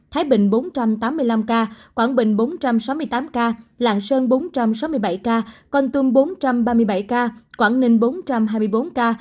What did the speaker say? thái bình bốn trăm tám mươi năm ca quảng bình bốn trăm sáu mươi tám ca lạng sơn bốn trăm sáu mươi bảy ca con tum bốn trăm ba mươi bảy ca quảng ninh bốn trăm hai mươi bốn ca